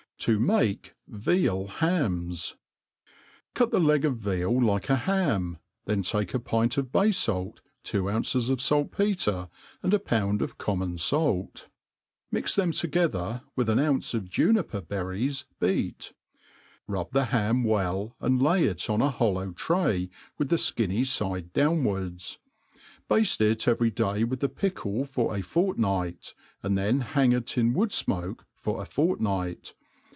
To make Veal Hams* CUT the leg of veal like a ham^ then take a pint of bay falt, two ounces of falt petfe, and a pound of common falt^ mU MADE PLAIN AND EASY. a6< fnix them together, with an ounce of juniper berries beat ; rub the ham well, and lay it on a holloiv tray, with the fkinny fide downwards* Bafte it every day with the pickle for a fort* night, and then hang i^ >n wood fmoke for a fortnight..